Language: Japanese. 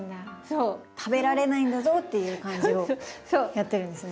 「食べられないんだぞ」っていう感じをやってるんですね。